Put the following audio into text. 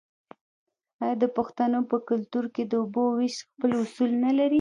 آیا د پښتنو په کلتور کې د اوبو ویش خپل اصول نلري؟